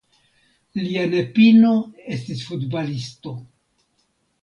Lia nepino estis futbalisto.